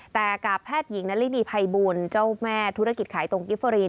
แต่กับแพทย์หญิงนารินีภัยบูลเจ้าแม่ธุรกิจขายตรงกิฟเฟอรีน